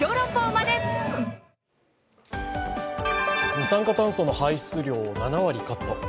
二酸化炭素の排出量７割カット。